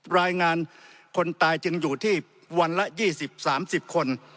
รายงานคนตายจึงอยู่ที่วันละ๒๐๓๐คน